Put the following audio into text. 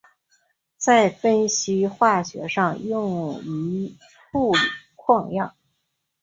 在分析化学上用于处理矿样。